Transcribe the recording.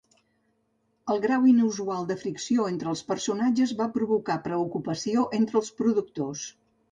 El grau inusual de fricció entre els personatges va provocar preocupació entre els productors.